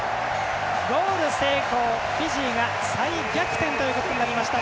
ゴール成功、フィジーが再逆転ということになりました。